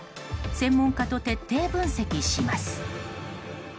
専門家と徹底分析します。